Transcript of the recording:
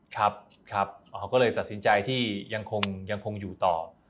ครับครับอ๋อก็เลยตัดสินใจที่ยังคงอยู่ต่อ